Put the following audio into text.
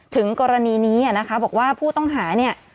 ถึงกรณีนี้นะคะบอกว่าผู้ต้องหาเนี่ย